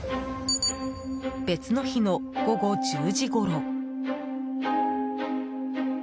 別の日の午後１０時ごろ。